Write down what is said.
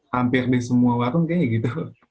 hampir di semua warung kayak gitu